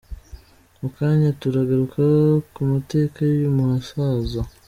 Mu kanya turagaruka ku mateka y’uyu musaza….